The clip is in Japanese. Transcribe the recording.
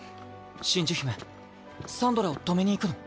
真珠姫サンドラを止めに行くの？